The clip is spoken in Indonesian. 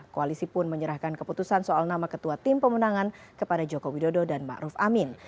koalisi pun menyerahkan keputusan soal nama ketua tim pemenangan kepada jokowi dodo dan ma'ruf amin